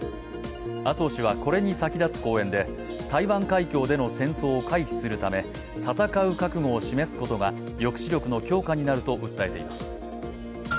麻生氏はこれに先立つ公演で台湾海峡での戦争を回避するため戦う覚悟を示すことが抑止力の強化になると訴えています。